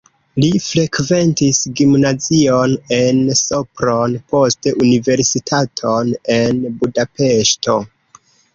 Li frekventis gimnazion en Sopron, poste universitaton en Budapeŝto.